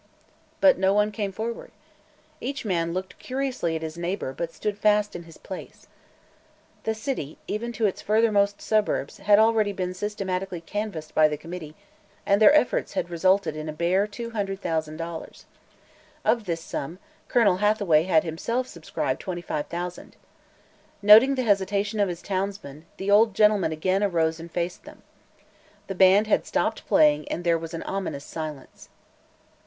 But no one came forward. Each man looked curiously at his neighbor but stood fast in his place. The city, even to its furthermost suburbs, had already been systematically canvassed by the Committee and their efforts had resulted in a bare two hundred thousand dollars. Of this sum, Colonel Hathaway had himself subscribed twenty five thousand. Noting the hesitation of his townsmen, the old gentleman again arose and faced them. The band had stopped playing and there was an ominous silence.